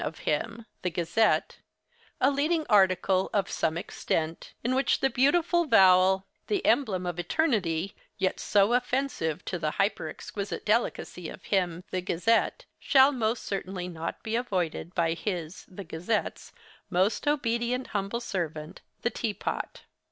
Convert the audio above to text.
of him (the "Gazette") a leading article, of some extent, in which the beautiful vowel—the emblem of Eternity—yet so offensive to the hyper exquisite delicacy of him (the "Gazette") shall most certainly not be avoided by his (the "Gazette's") most obedient, humble servant, the "Tea Pot."